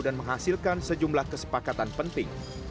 dan menghasilkan sejumlah kesepakatan penting